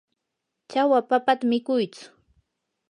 chawa papata mikuytsu.